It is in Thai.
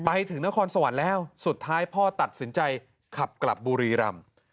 ไปถึงนครสวรรค์แล้วสุดท้ายพ่อตัดสินใจขับกลับบุรีรำ